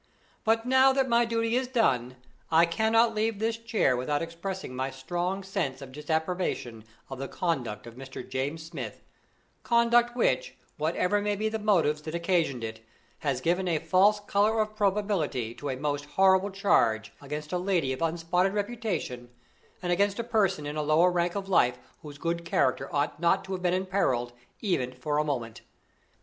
"But, now that my duty is done, I cannot leave this chair without expressing my strong sense of disapprobation of the conduct of Mr. James Smith conduct which, whatever may be the motives that occasioned it, has given a false color of probability to a most horrible charge against a lady of unspotted reputation, and against a person in a lower rank of life whose good character ought not to have been imperiled even for a moment.